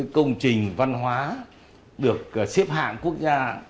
một mươi công trình văn hóa được xếp hạng quốc gia